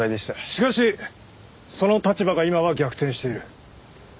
しかしその立場が今は逆転している。